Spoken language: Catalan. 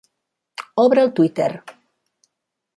Obre el twitter.